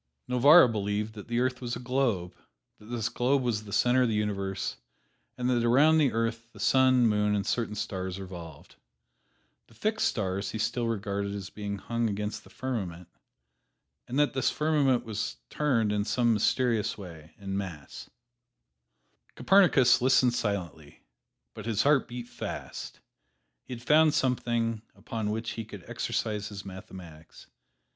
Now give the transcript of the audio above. Novarra believed that the earth was a globe; that this globe was the center of the universe, and that around the earth the sun, moon and certain stars revolved. The fixed stars he still regarded as being hung against the firmament, and that this firmament was turned in some mysterious way, en masse. Copernicus listened silently, but his heart beat fast. He had found something upon which he could exercise his mathematics.